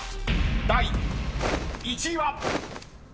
［第１位は］